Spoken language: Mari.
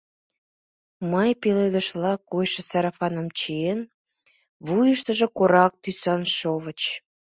Май пеледышла койшо сарафаным чиен, вуйыштыжо корак тӱсан шовыч.